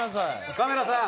カメラさん